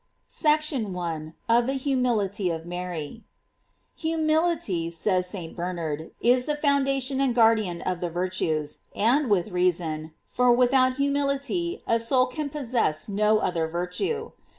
SECTION I. OF THE HUMILITY OF MARY, Humility, says St. Bernard, is the foundation and guardian of the virtues ;§ and with reason, for without humility a soul can possess no other virtue.